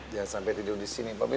jangan sampai tidur di sini